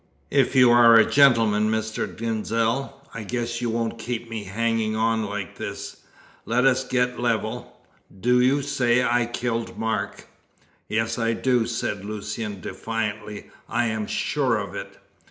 "If you are a gentleman, Mr. Denzil, I guess you won't keep me hanging on like this. Let us get level. Do you say I killed Mark?" "Yes, I do!" said Lucian defiantly. "I am sure of it."